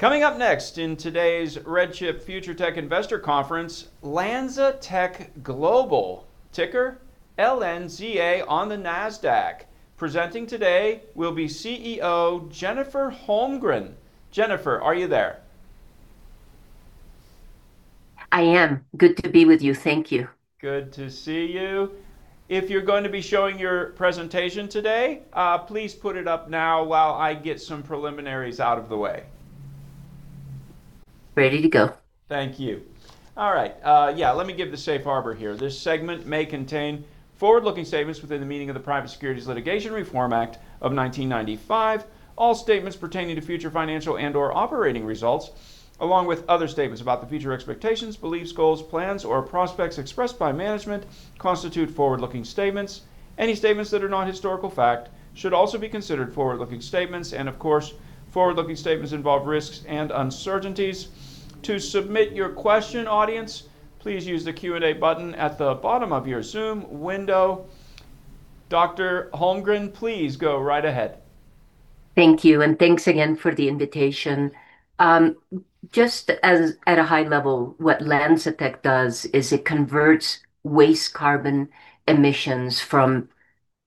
Coming up next in today's RedChip Future Tech Investor Conference, LanzaTech Global, ticker LNZA on the NASDAQ. Presenting today will be CEO Jennifer Holmgren. Jennifer, are you there? I am. Good to be with you. Thank you. Good to see you. If you're going to be showing your presentation today, please put it up now while I get some preliminaries out of the way. Ready to go. Thank you. All right. Let me give the safe harbor here. This segment may contain forward-looking statements within the meaning of the Private Securities Litigation Reform Act of 1995. All statements pertaining to future financial and/or operating results, along with other statements about the future expectations, beliefs, goals, plans, or prospects expressed by management, constitute forward-looking statements. Any statements that are not historical fact should also be considered forward-looking statements. Forward-looking statements involve risks and uncertainties. To submit your question, audience, please use the Q&A button at the bottom of your Zoom window. Dr. Holmgren, please go right ahead. Thank you, and thanks again for the invitation. Just at a high level, what LanzaTech does is it converts waste carbon emissions from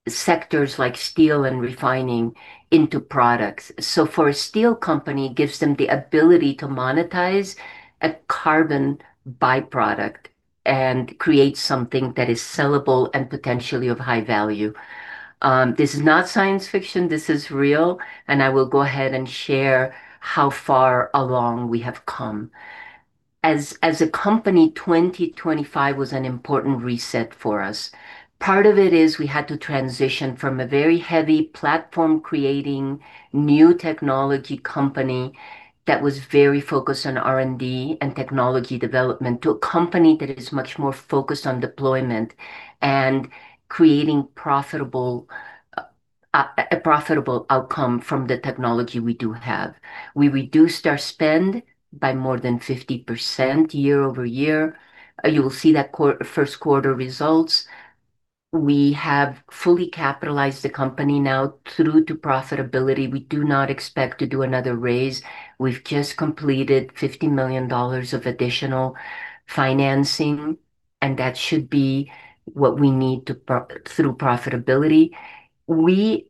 sectors like steel and refining into products. For a steel company, it gives them the ability to monetize a carbon by-product and create something that is sellable and potentially of high value. This is not science fiction, this is real, and I will go ahead and share how far along we have come. As a company, 2025 was an important reset for us. Part of it is we had to transition from a very heavy platform, creating new technology company that was very focused on R&D and technology development, to a company that is much more focused on deployment and creating a profitable outcome from the technology we do have. We reduced our spend by more than 50% year-over-year. You will see that first quarter results. We have fully capitalized the company now through to profitability. We do not expect to do another raise. We've just completed $50 million of additional financing, and that should be what we need through profitability. We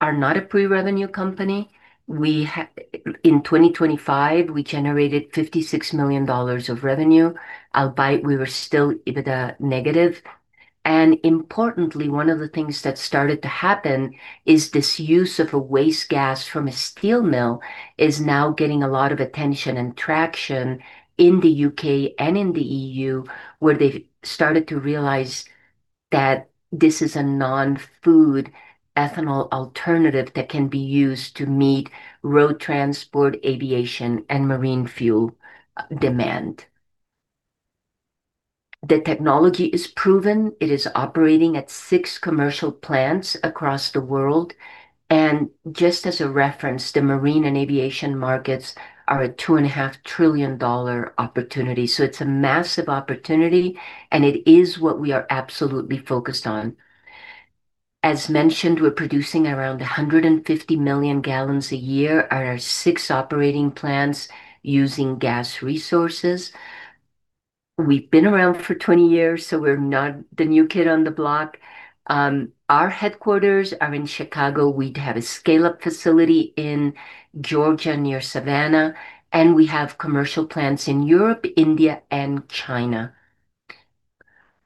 are not a pre-revenue company. In 2025, we generated $56 million of revenue, albeit we were still EBITDA negative. Importantly, one of the things that started to happen is this use of a waste gas from a steel mill is now getting a lot of attention and traction in the U.K. and in the EU, where they've started to realize that this is a non-food ethanol alternative that can be used to meet road transport, aviation, and marine fuel demand. The technology is proven. It is operating at six commercial plants across the world. Just as a reference, the marine and aviation markets are a $2.5 trillion opportunity. It's a massive opportunity, and it is what we are absolutely focused on. As mentioned, we're producing around 150 million gallons a year at our six operating plants using gas resources. We've been around for 20 years, so we're not the new kid on the block. Our headquarters are in Chicago. We have a scale-up facility in Georgia, near Savannah, and we have commercial plants in Europe, India, and China.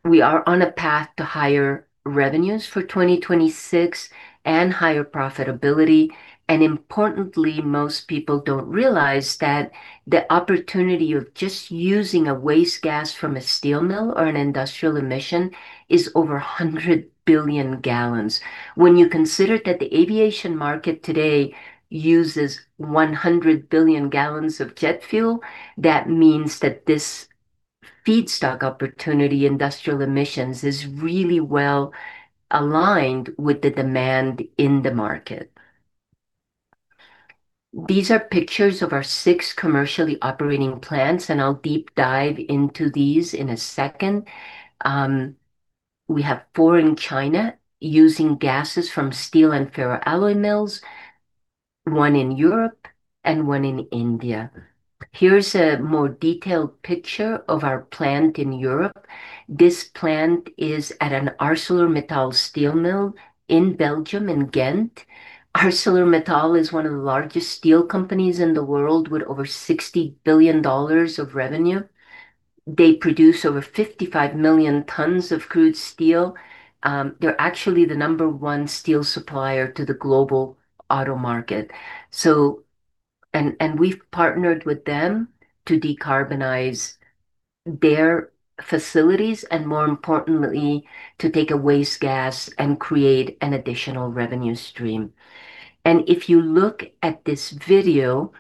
We are on a path to higher revenues for 2026 and higher profitability. Importantly, most people don't realize that the opportunity of just using a waste gas from a steel mill or an industrial emission is over 100 billion gallons. When you consider that the aviation market today uses 100 billion gallons of jet fuel, that means that this feedstock opportunity, industrial emissions, is really well-aligned with the demand in the market. These are pictures of our six commercially operating plants, and I'll deep dive into these in a second. We have four in China using gases from steel and ferroalloy mills, one in Europe and one in India. Here's a more detailed picture of our plant in Europe. This plant is at an ArcelorMittal steel mill in Belgium in Ghent. ArcelorMittal is one of the largest steel companies in the world with over $60 billion of revenue. They produce over 55 million tons of crude steel. They're actually the number one steel supplier to the global auto market. We've partnered with them to decarbonize their facilities and more importantly, to take a waste gas and create an additional revenue stream. If you look at this video,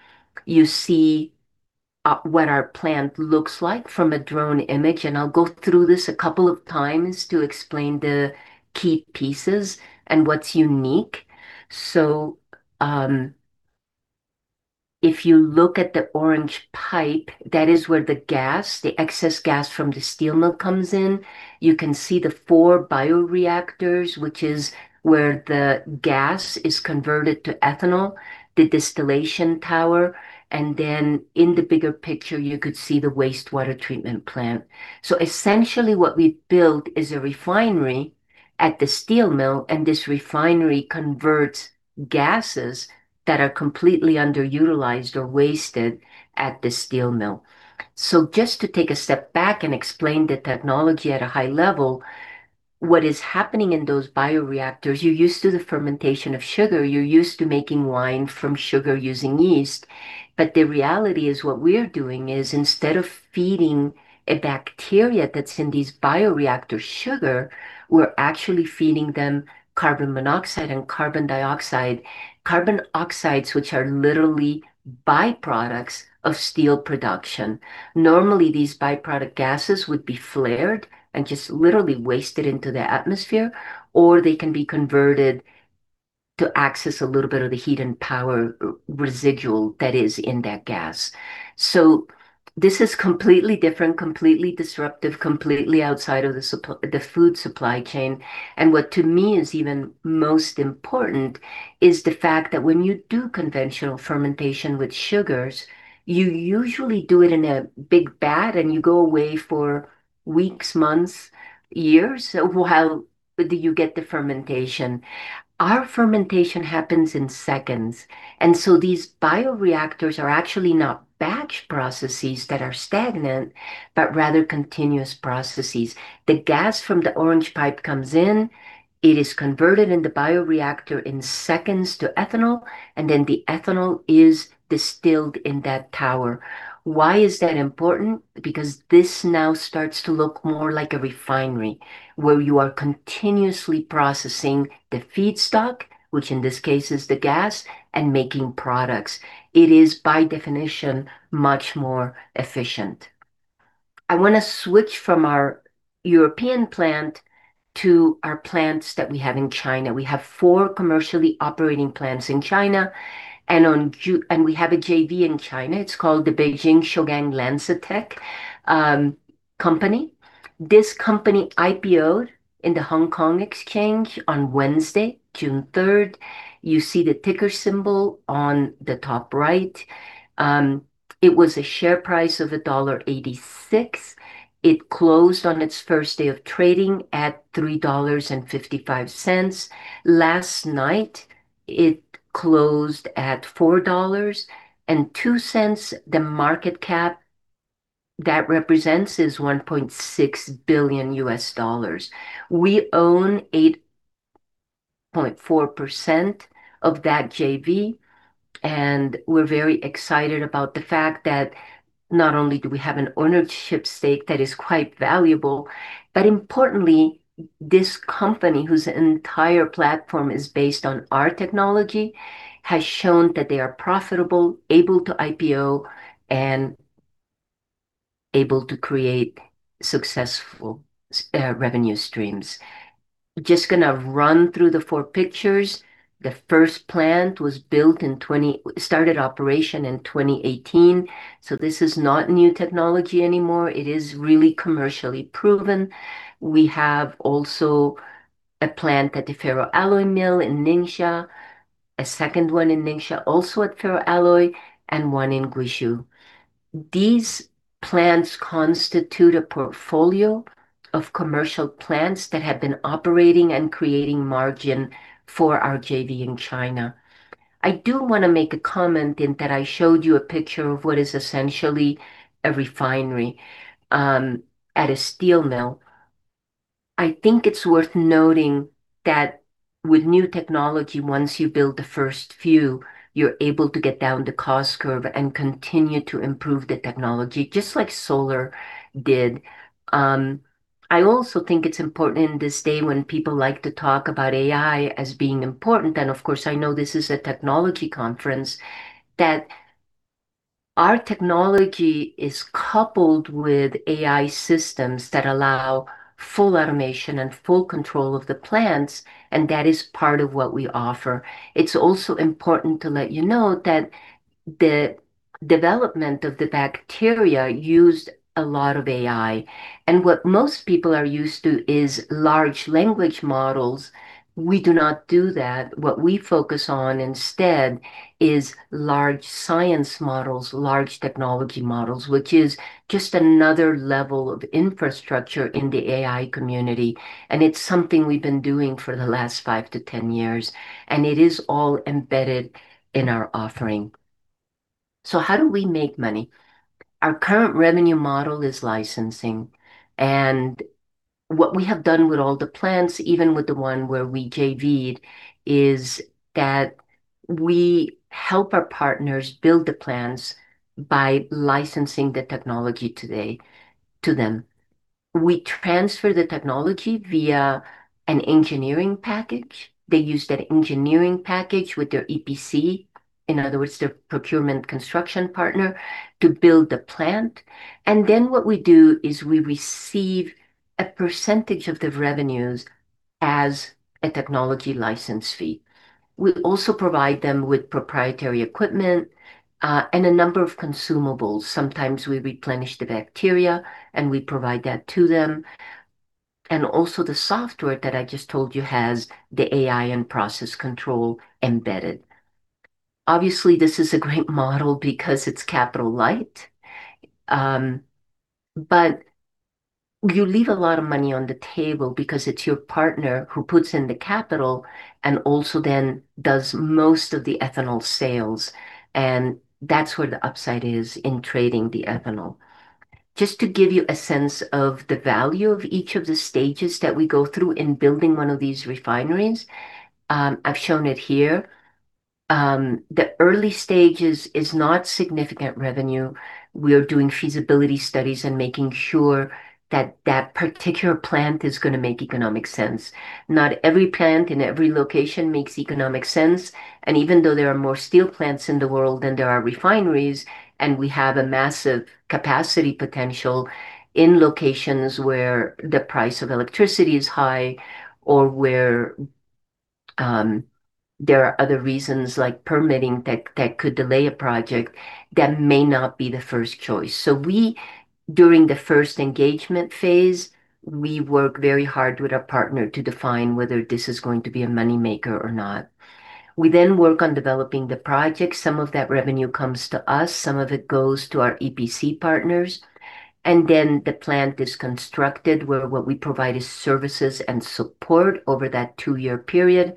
you see what our plant looks like from a drone image. I'll go through this a couple of times to explain the key pieces and what's unique. If you look at the orange pipe, that is where the gas, the excess gas from the steel mill comes in. You can see the four bioreactors, which is where the gas is converted to ethanol, the distillation tower, and then in the bigger picture, you could see the wastewater treatment plant. Essentially what we've built is a refinery at the steel mill, and this refinery converts gases that are completely underutilized or wasted at the steel mill. Just to take a step back and explain the technology at a high level, what is happening in those bioreactors, you're used to the fermentation of sugar, you're used to making wine from sugar using yeast. The reality is what we're doing is instead of feeding a bacteria that's in these bioreactors sugar, we're actually feeding them carbon monoxide and carbon dioxide. Carbon oxides, which are literally byproducts of steel production. Normally, these byproduct gases would be flared and just literally wasted into the atmosphere, or they can be converted to access a little bit of the heat and power residual that is in that gas. This is completely different, completely disruptive, completely outside of the food supply chain. What to me is even most important is the fact that when you do conventional fermentation with sugars, you usually do it in a big vat, and you go away for weeks, months, years, while you get the fermentation. Our fermentation happens in seconds, and so these bioreactors are actually not batch processes that are stagnant, but rather continuous processes. The gas from the orange pipe comes in, it is converted in the bioreactor in seconds to ethanol, and then the ethanol is distilled in that tower. Why is that important? This now starts to look more like a refinery where you are continuously processing the feedstock, which in this case is the gas, and making products. It is by definition much more efficient. I want to switch from our European plant to our plants that we have in China. We have four commercially operating plants in China, and we have a JV in China. It's called the Beijing Shougang LanzaTech company. This company IPO'd in the Hong Kong Exchange on Wednesday, June 3rd. You see the ticker symbol on the top right. It was a share price of $1.86. It closed on its first day of trading at $3.55. Last night, it closed at $4.02. The market cap that represents is $1.6 billion. We own 8.4% of that JV, and we're very excited about the fact that not only do we have an ownership stake that is quite valuable, but importantly, this company, whose entire platform is based on our technology, has shown that they are profitable, able to IPO, and able to create successful revenue streams. Just going to run through the four pictures. The first plant started operation in 2018, so this is not new technology anymore. It is really commercially proven. We have also a plant at the ferroalloy mill in Ningxia, a second one in Ningxia, also at ferroalloy, and one in Guizhou. These plants constitute a portfolio of commercial plants that have been operating and creating margin for our JV in China. I do want to make a comment in that I showed you a picture of what is essentially a refinery at a steel mill. I think it's worth noting that with new technology, once you build the first few, you're able to get down the cost curve and continue to improve the technology, just like solar did. I also think it's important in this day when people like to talk about AI as being important, and of course, I know this is a technology conference, that our technology is coupled with AI systems that allow full automation and full control of the plants, and that is part of what we offer. It's also important to let you know that the development of the bacteria used a lot of AI. What most people are used to is large language models. We do not do that. What we focus on instead is large science models, large technology models, which is just another level of infrastructure in the AI community, and it's something we've been doing for the last 5-10 years, and it is all embedded in our offering. How do we make money? Our current revenue model is licensing, and what we have done with all the plants, even with the one where we JV'd, is that we help our partners build the plants by licensing the technology today to them. We transfer the technology via an engineering package. They use that engineering package with their EPC, in other words, their procurement construction partner, to build the plant. Then what we do is we receive a percentage of the revenues as a technology license fee. We also provide them with proprietary equipment and a number of consumables. Sometimes we replenish the bacteria and we provide that to them. Also the software that I just told you has the AI and process control embedded. Obviously, this is a great model because it's capital light. You leave a lot of money on the table because it's your partner who puts in the capital and also then does most of the ethanol sales, and that's where the upside is in trading the ethanol. Just to give you a sense of the value of each of the stages that we go through in building one of these refineries, I've shown it here. The early stages is not significant revenue. We are doing feasibility studies and making sure that that particular plant is going to make economic sense. Not every plant in every location makes economic sense, even though there are more steel plants in the world than there are refineries, and we have a massive capacity potential, in locations where the price of electricity is high or where there are other reasons like permitting that could delay a project, that may not be the first choice. We, during the first engagement phase, we work very hard with our partner to define whether this is going to be a money maker or not. We work on developing the project. Some of that revenue comes to us, some of it goes to our EPC partners, the plant is constructed, where what we provide is services and support over that two-year period.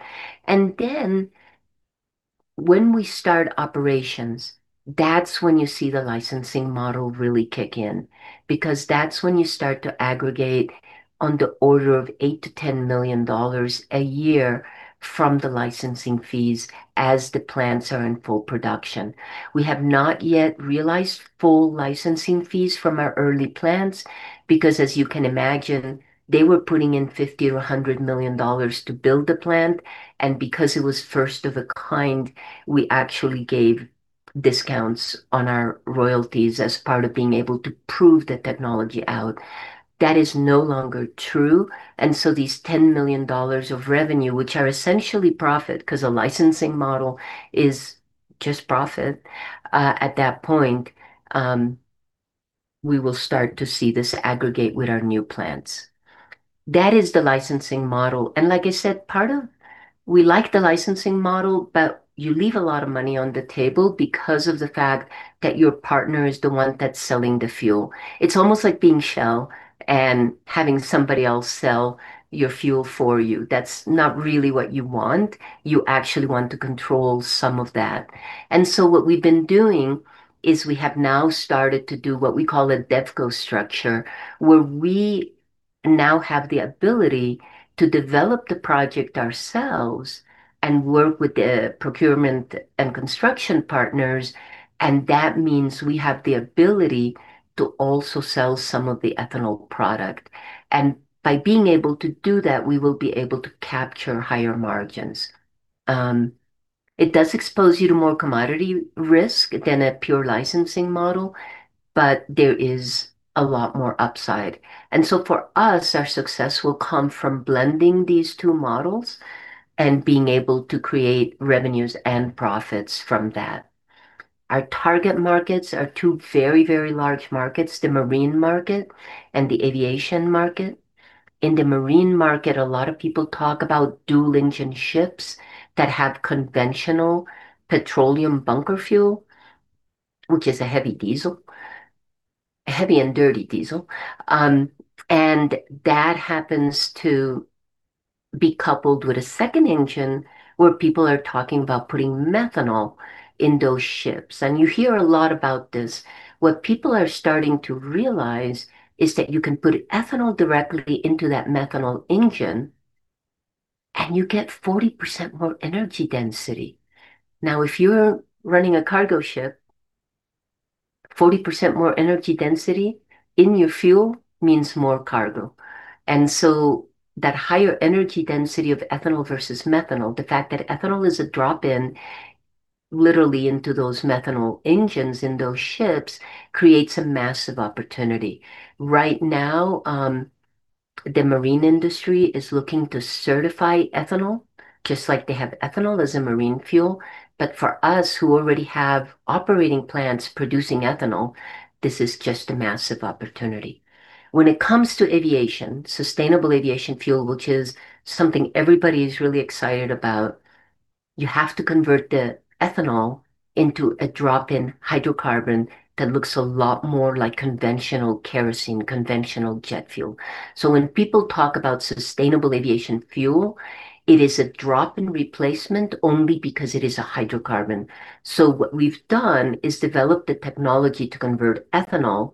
When we start operations, that's when you see the licensing model really kick in, because that's when you start to aggregate on the order of $8 million to $10 million a year from the licensing fees as the plants are in full production. We have not yet realized full licensing fees from our early plants because, as you can imagine, they were putting in $50 million or $100 million to build the plant. Because it was first of a kind, we actually gave discounts on our royalties as part of being able to prove the technology out. That is no longer true, these $10 million of revenue, which are essentially profit because a licensing model is just profit, at that point, we will start to see this aggregate with our new plants. That is the licensing model. Like I said, we like the licensing model, you leave a lot of money on the table because of the fact that your partner is the one that's selling the fuel. It's almost like being Shell and having somebody else sell your fuel for you. That's not really what you want. You actually want to control some of that. What we've been doing is we have now started to do what we call a DevCo structure, where we now have the ability to develop the project ourselves and work with the procurement and construction partners. That means we have the ability to also sell some of the ethanol product. By being able to do that, we will be able to capture higher margins. It does expose you to more commodity risk than a pure licensing model, there is a lot more upside. For us, our success will come from blending these two models and being able to create revenues and profits from that. Our target markets are two very large markets, the marine market and the aviation market. In the marine market, a lot of people talk about dual-engine ships that have conventional petroleum bunker fuel, which is a heavy diesel, heavy and dirty diesel. That happens to be coupled with a second engine where people are talking about putting methanol in those ships. You hear a lot about this. What people are starting to realize is that you can put ethanol directly into that methanol engine, and you get 40% more energy density. If you're running a cargo ship, 40% more energy density in your fuel means more cargo. That higher energy density of ethanol versus methanol, the fact that ethanol is a drop-in, literally into those methanol engines in those ships, creates a massive opportunity. Right now, the marine industry is looking to certify ethanol, just like they have ethanol as a marine fuel. For us who already have operating plants producing ethanol, this is just a massive opportunity. When it comes to aviation, sustainable aviation fuel, which is something everybody is really excited about, you have to convert the ethanol into a drop-in hydrocarbon that looks a lot more like conventional kerosene, conventional jet fuel. When people talk about sustainable aviation fuel, it is a drop-in replacement only because it is a hydrocarbon. What we've done is developed the technology to convert ethanol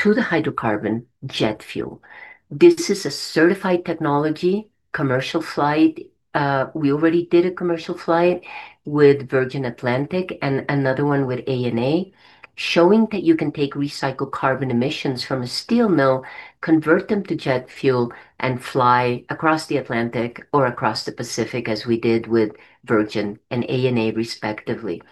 to the hydrocarbon jet fuel. This is a certified technology commercial flight. We already did a commercial flight with Virgin Atlantic and another one with ANA, showing that you can take recycled carbon emissions from a steel mill, convert them to jet fuel, and fly across the Atlantic or across the Pacific, as we did with Virgin and ANA respectively.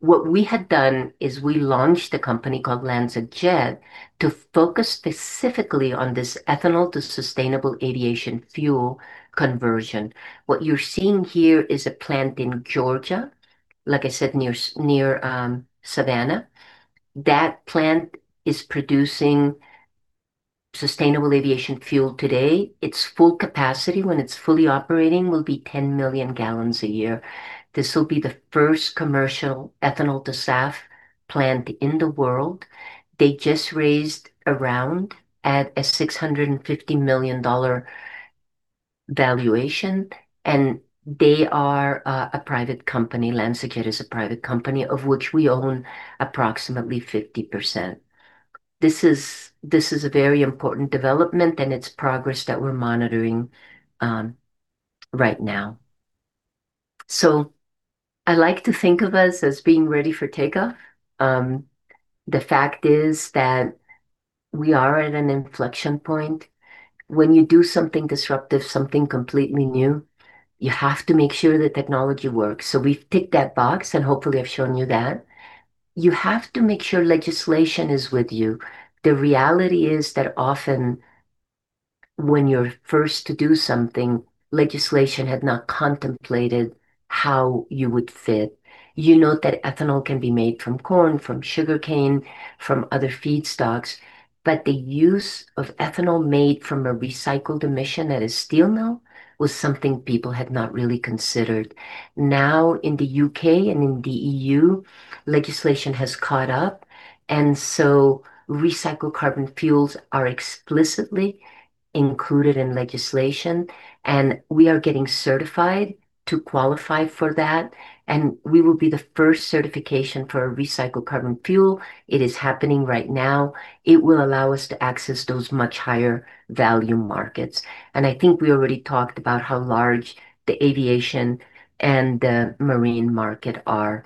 What we had done is we launched a company called LanzaJet to focus specifically on this ethanol to sustainable aviation fuel conversion. What you're seeing here is a plant in Georgia, like I said, near Savannah. That plant is producing sustainable aviation fuel today. Its full capacity when it's fully operating will be 10 million gallons a year. This will be the first commercial ethanol-to-SAF plant in the world. They just raised a round at a $650 million valuation, and they are a private company. LanzaJet is a private company of which we own approximately 50%. This is a very important development, it's progress that we're monitoring right now. I like to think of us as being ready for takeoff. The fact is that we are at an inflection point. When you do something disruptive, something completely new, you have to make sure the technology works. We've ticked that box and hopefully I've shown you that. You have to make sure legislation is with you. The reality is that often when you're first to do something, legislation had not contemplated how you would fit. You note that ethanol can be made from corn, from sugarcane, from other feedstocks, but the use of ethanol made from a recycled emission that is steel mill was something people had not really considered. In the U.K. and in the EU, legislation has caught up. Recycled carbon fuels are explicitly included in legislation, and we are getting certified to qualify for that. We will be the first certification for a recycled carbon fuel. It is happening right now. It will allow us to access those much higher value markets. I think we already talked about how large the aviation and the marine market are.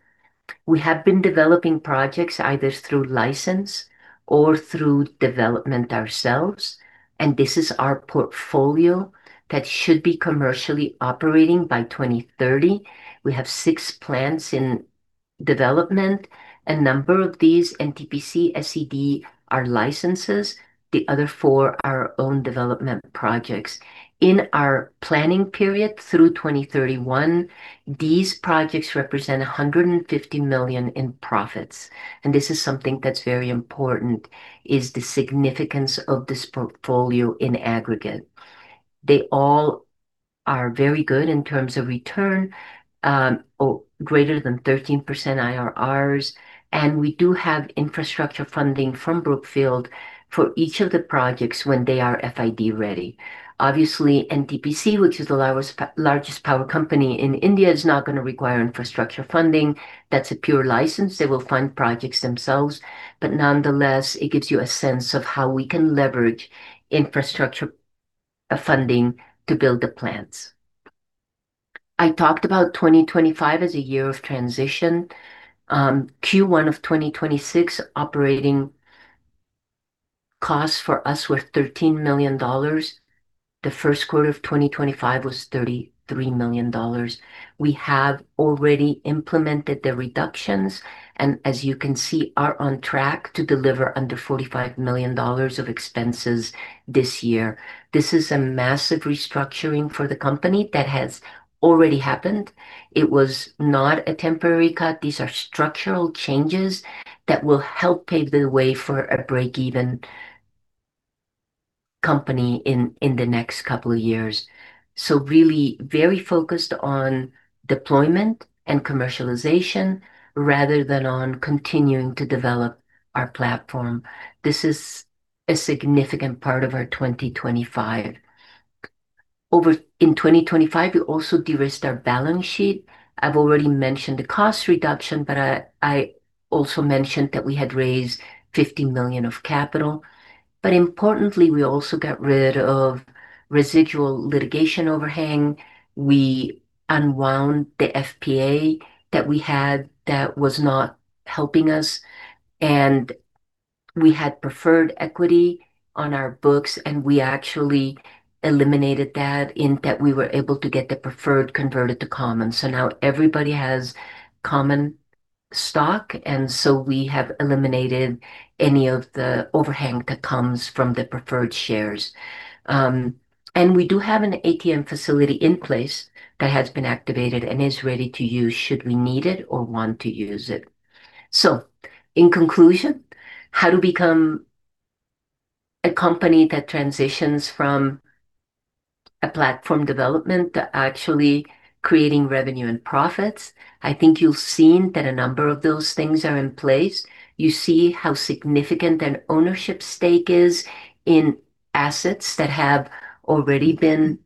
We have been developing projects either through license or through development ourselves, and this is our portfolio that should be commercially operating by 2030. We have six plants in development. A number of these, NTPC, SED, are licenses. The other four are own development projects. In our planning period through 2031, these projects represent $150 million in profits. This is something that's very important is the significance of this portfolio in aggregate. They all are very good in terms of return, greater than 13% IRRs. We do have infrastructure funding from Brookfield for each of the projects when they are FID ready. Obviously, NTPC, which is the largest power company in India, is not going to require infrastructure funding. That's a pure license. They will fund projects themselves. Nonetheless, it gives you a sense of how we can leverage infrastructure funding to build the plants. I talked about 2025 as a year of transition. Q1 of 2026 operating costs for us were $13 million. The first quarter of 2025 was $33 million. We have already implemented the reductions and as you can see, are on track to deliver under $45 million of expenses this year. This is a massive restructuring for the company that has already happened. It was not a temporary cut. These are structural changes that will help pave the way for a break-even company in the next couple of years. Really very focused on deployment and commercialization rather than on continuing to develop our platform. This is a significant part of our 2025. In 2025, we also de-risked our balance sheet. I've already mentioned the cost reduction, but I also mentioned that we had raised $50 million of capital. Importantly, we also got rid of residual litigation overhang. We unwound the FPA that we had that was not helping us. We had preferred equity on our books, and we actually eliminated that in that we were able to get the preferred converted to common. Now everybody has common stock. We have eliminated any of the overhang that comes from the preferred shares. We do have an ATM facility in place that has been activated and is ready to use should we need it or want to use it. In conclusion, how to become a company that transitions from a platform development to actually creating revenue and profits. I think you've seen that a number of those things are in place. You see how significant an ownership stake is in assets that have already been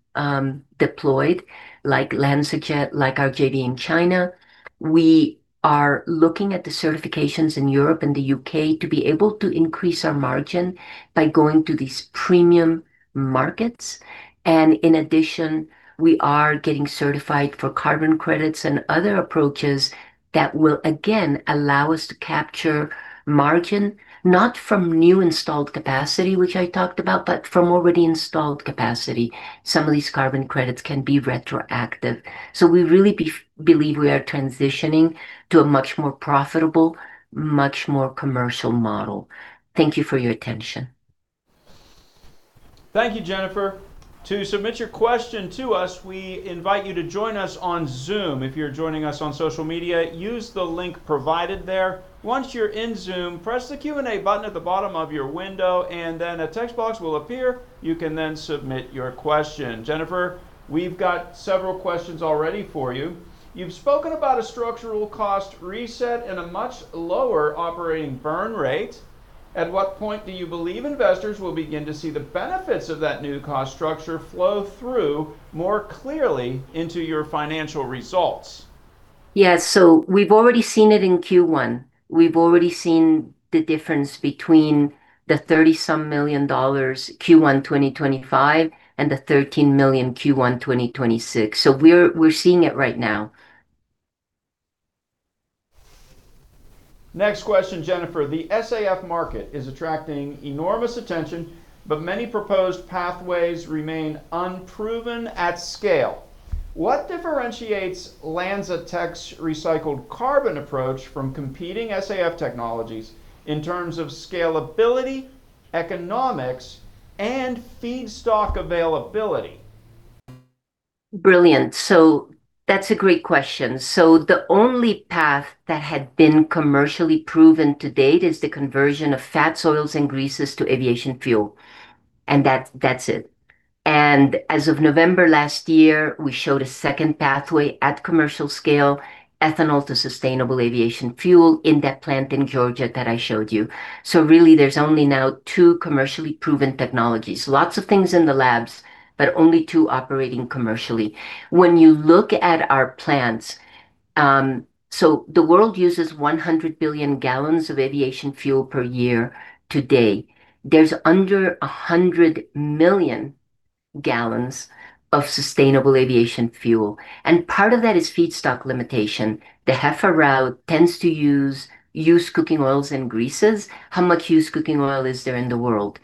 deployed, like LanzaJet, like our JV in China. We are looking at the certifications in Europe and the U.K. to be able to increase our margin by going to these premium markets. In addition, we are getting certified for carbon credits and other approaches that will again allow us to capture margin, not from new installed capacity, which I talked about, but from already installed capacity. Some of these carbon credits can be retroactive. We really believe we are transitioning to a much more profitable, much more commercial model. Thank you for your attention. Thank you, Jennifer. To submit your question to us, we invite you to join us on Zoom. If you're joining us on social media, use the link provided there. Once you're in Zoom, press the Q&A button at the bottom of your window, a text box will appear. You can then submit your question. Jennifer, we've got several questions already for you. You've spoken about a structural cost reset and a much lower operating burn rate. At what point do you believe investors will begin to see the benefits of that new cost structure flow through more clearly into your financial results? Yeah, we've already seen it in Q1. We've already seen the difference between the $30-some million Q1 2025 and the $13 million Q1 2026. We're seeing it right now. Next question, Jennifer. The SAF market is attracting enormous attention, but many proposed pathways remain unproven at scale. What differentiates LanzaTech's recycled carbon approach from competing SAF technologies in terms of scalability, economics, and feedstock availability? Brilliant. That's a great question. The only path that had been commercially proven to date is the conversion of fats, oils, and greases to aviation fuel, and that's it. As of November last year, we showed a second pathway at commercial scale, ethanol to sustainable aviation fuel in that plant in Georgia that I showed you. Really, there's only now two commercially proven technologies. Lots of things in the labs, but only two operating commercially. When you look at our plants, the world uses 100 billion gallons of aviation fuel per year today. There's under 100 million gallons of sustainable aviation fuel, and part of that is feedstock limitation. The HEFA route tends to use used cooking oils and greases. How much used cooking oil is there in the world?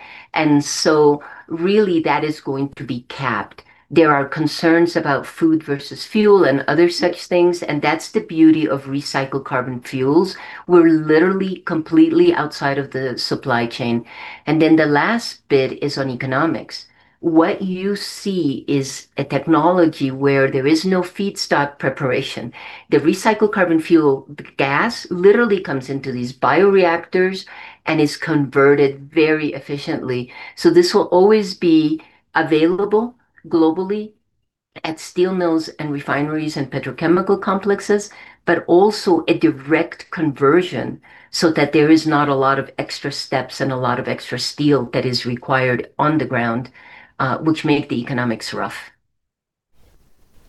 Really that is going to be capped. There are concerns about food versus fuel and other such things, and that's the beauty of recycled carbon fuels. We're literally completely outside of the supply chain. The last bit is on economics. What you see is a technology where there is no feedstock preparation. The recycled carbon fuel gas literally comes into these bioreactors and is converted very efficiently. This will always be available globally at steel mills and refineries and petrochemical complexes, but also a direct conversion, so that there is not a lot of extra steps and a lot of extra steel that is required on the ground, which make the economics rough.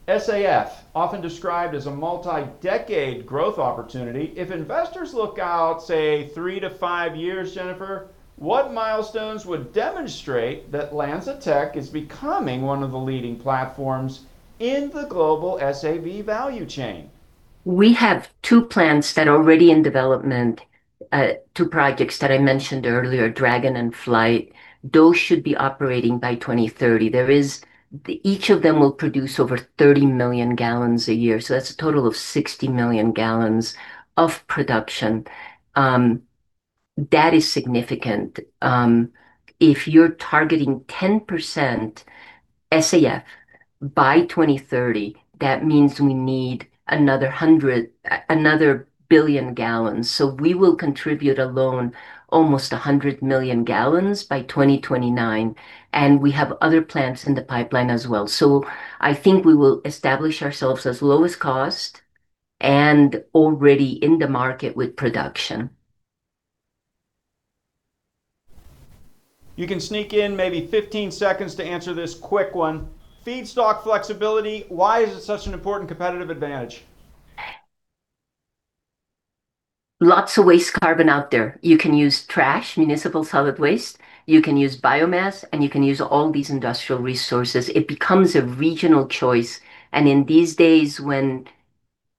SAF, often described as a multi-decade growth opportunity. If investors look out, say, three to five years, Jennifer, what milestones would demonstrate that LanzaTech is becoming one of the leading platforms in the global SAF value chain? We have two plants that are already in development, two projects that I mentioned earlier, Dragon and FLITE. Those should be operating by 2030. Each of them will produce over 30 million gallons a year. That's a total of 60 million gallons of production. That is significant. If you're targeting 10% SAF by 2030, that means we need another billion gallons. We will contribute alone almost 100 million gallons by 2029, and we have other plants in the pipeline as well. I think we will establish ourselves as lowest cost and already in the market with production. You can sneak in maybe 15 seconds to answer this quick one. Feedstock flexibility, why is it such an important competitive advantage? Lots of waste carbon out there. You can use trash, municipal solid waste, you can use biomass, and you can use all these industrial resources. It becomes a regional choice, and in these days when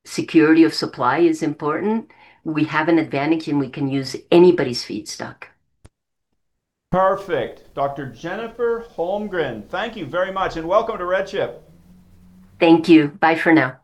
security of supply is important, we have an advantage in we can use anybody's feedstock. Perfect. Dr Jennifer Holmgren, thank you very much, and welcome to RedChip. Thank you. Bye for now.